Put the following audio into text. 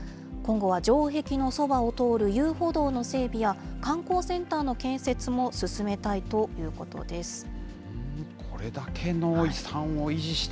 今後は城壁のそばを通る遊歩道の整備や、観光センターの建設も進めたいということです。